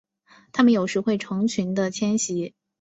它们有时会成群的迁徙。